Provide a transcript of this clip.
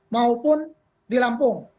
maupun di lampung